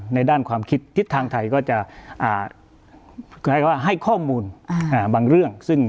ในด้านความคิดทิศทางไทยก็จะให้ข้อมูลบางเรื่อง